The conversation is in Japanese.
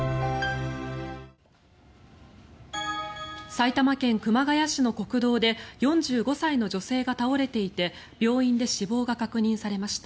埼玉県熊谷市の国道で４５歳の女性が倒れていて病院で死亡が確認されました。